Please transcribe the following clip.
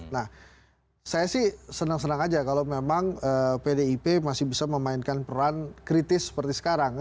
nah saya sih senang senang aja kalau memang pdip masih bisa memainkan peran kritis seperti sekarang